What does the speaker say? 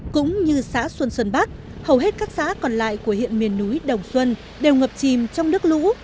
cũng như xã xuân xuân bắc hầu hết các xã còn lại của huyện miền núi đồng xuân đều ngập chìm trong nước lũ